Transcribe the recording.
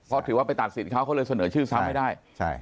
เพราะถือว่าไปตัดสินเขาเขาเลยเสนอชื่อซ้ำให้ได้